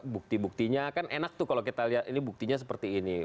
bukti buktinya kan enak tuh kalau kita lihat ini buktinya seperti ini